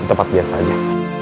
di tempat biasa aja